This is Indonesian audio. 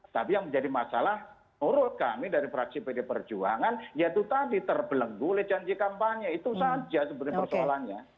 tapi yang menjadi masalah menurut kami dari fraksi pd perjuangan yaitu tadi terbelenggu oleh janji kampanye itu saja sebenarnya persoalannya